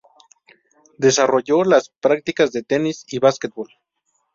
Desarrolló las prácticas de tenis y básquetbol.